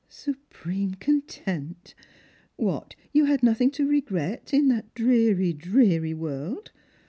" Supreme content ! What, you had nothing to regret in that dreary, dreary world